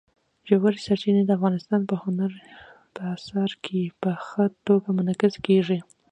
ژورې سرچینې د افغانستان په هنر په اثار کې په ښه توګه منعکس کېږي.